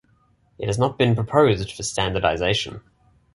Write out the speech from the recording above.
It has not been proposed for standardization.